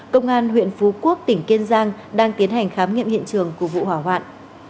công an huyện phú quốc tỉnh kiên giang đang tiến hành khám nghiệm hiện trường của vụ hỏa hoạn